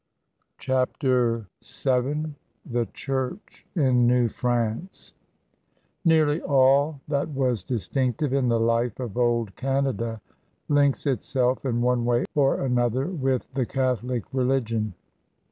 '' CHAPTER Vn THE CHTJBCH IN NEW FRANCE Neably all'^that was distinctive in the life of old Canada links itself in one way or another with the Catholic religion.